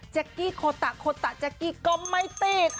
กี้โคตะโคตะแก๊กกี้ก็ไม่ติด